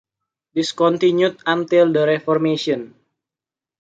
This continued until the Reformation.